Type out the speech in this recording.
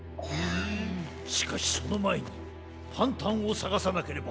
しかしそのまえにパンタンをさがさなければ。